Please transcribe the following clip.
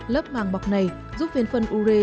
lớp màng bọc này giúp viên phân ure